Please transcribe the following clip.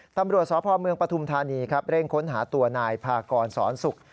ตำรวจสพเมืองปฐุมธานีครับเร่งค้นหาตัวนายพากรสอนศุกร์